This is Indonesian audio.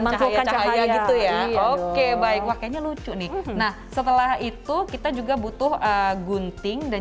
cahaya cahaya gitu ya oke baik wakilnya lucu nih nah setelah itu kita juga butuh gunting dan